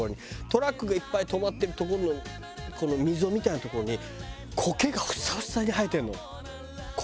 トラックがいっぱい止まってる所のこの溝みたいな所に苔がふさふさに生えてるの。